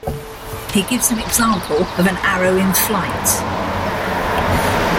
He gives an example of an arrow in flight.